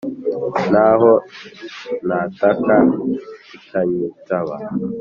naho nataka ikanyitaba,